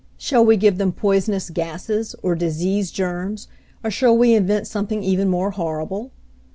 Shall we give them poisonous gases, or disease germs, or shall we invent something even more horrible?